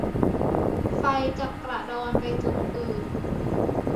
ไฟจะกระดอนไปจุดอื่น